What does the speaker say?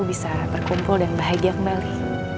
bisa berkumpul dan bahagia kembali